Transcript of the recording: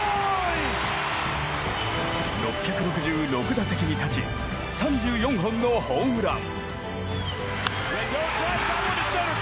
６６６打席に立ち３４本のホームラン。